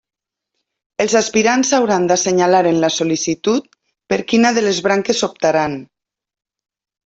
Els aspirants hauran d'assenyalar en la sol·licitud per quina de les branques optaran.